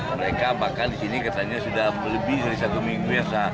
mereka bahkan disini katanya sudah lebih dari satu minggu